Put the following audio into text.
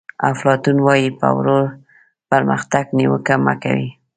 افلاطون وایي په ورو پرمختګ نیوکه مه کوئ.